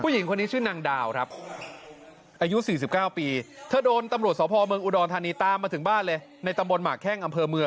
อย่าเพิ่งเผาฟัง